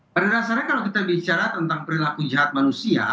pada dasarnya kalau kita bicara tentang perilaku jahat manusia